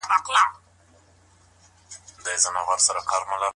حضوري ټولګي زده کوونکي د دوامداره تمرين لپاره فعال ساتي.